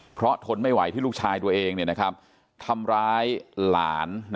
เพราะทนไม่ไหวที่ลูกชายตัวเองทำร้ายหลาน